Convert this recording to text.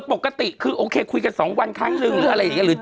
นึกออกป่ะเออปกติคือโอเคคุยกันสองวันครั้งหนึ่งอะไรเงี้ย